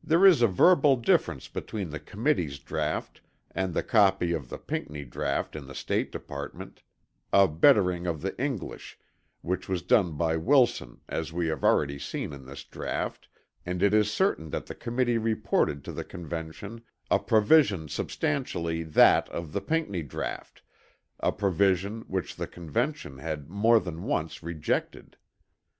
There is a verbal difference between the Committee's draught and the copy of the Pinckney draught in the State Department, a bettering of the English, which was done by Wilson as we have already seen in his draught and it is certain that the Committee reported to the Convention a provision substantially that of the Pinckney draught, a provision which the Convention had more than once rejected.